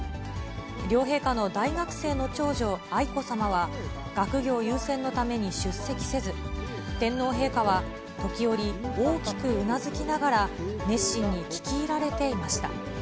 両陛下の大学生の長女、愛子さまは、学業優先のために出席せず、天皇陛下は時折、大きくうなずきながら、熱心に聞き入られていました。